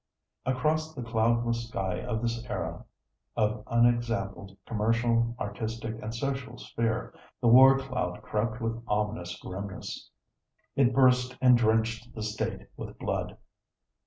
Across the cloudless sky of this era of unexampled commercial, artistic and social sphere the war cloud crept with ominous grimness. It burst and drenched the State with blood.